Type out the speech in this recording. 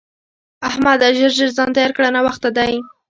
احمده! ژر ژر ځان تيار کړه؛ ناوخته دی.